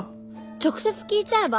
直接聞いちゃえば？